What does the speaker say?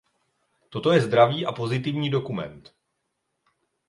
Toto je zdravý a pozitivní dokument.